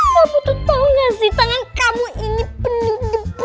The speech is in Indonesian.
kamu tuh tau gak sih tangan kamu ini penuh debu